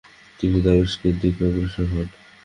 তিনি দামেস্কের দিকে অগ্রসর হন।